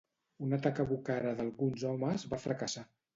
Un atac a Bukhara d'alguns homes va fracassar.